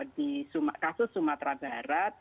di kasus sumatera barat